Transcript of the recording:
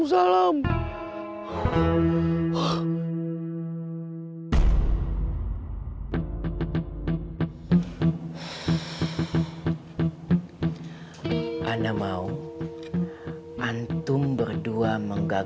assalamualaikum warahmatullah warahmatullah